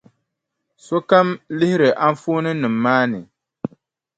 Sokam lihiri anfooninima maa.